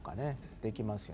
できますよね。